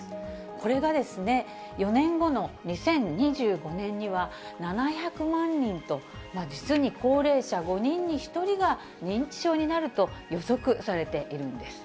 これが、４年後の２０２５年には７００万人と、実に高齢者５人に１人が認知症になると予測されているんです。